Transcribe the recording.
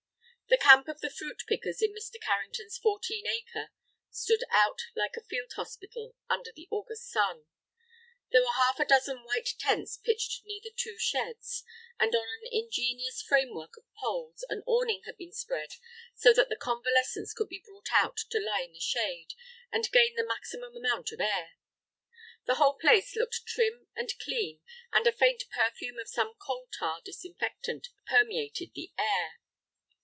The camp of the fruit pickers in Mr. Carrington's fourteen acre stood out like a field hospital under the August sun. There were half a dozen white tents pitched near the two sheds, and on an ingenious frame work of poles an awning had been spread so that convalescents could be brought out to lie in the shade, and gain the maximum amount of air. The whole place looked trim and clean, and a faint perfume of some coal tar disinfectant permeated the air.